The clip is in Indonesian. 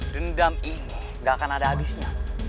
dendam ini gak akan ada habisnya